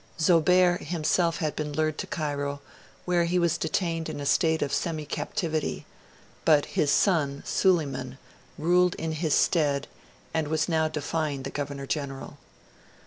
Zobeir himself had been lured to Cairo, where he was detained in a state of semi captivity; but his son, Suleiman, ruled in his stead, and was now defying the Governor General.